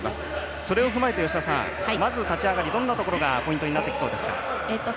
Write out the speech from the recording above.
それを踏まえて、まず立ち上がりどんなところがポイントになってきそうですか？